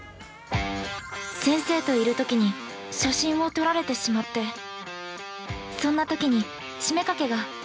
◆先生といるときに写真に撮られてしまってそんなときに七五三掛が。